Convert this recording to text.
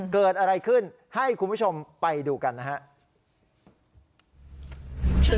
เกิดอะไรขึ้นให้คุณผู้ชมไปดูกันนะครับ